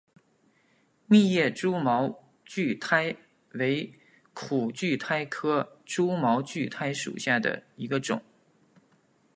密叶蛛毛苣苔为苦苣苔科蛛毛苣苔属下的一个种。